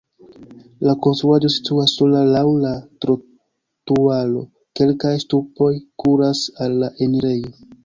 La konstruaĵo situas sola laŭ la trotuaro, kelkaj ŝtupoj kuras al la enirejo.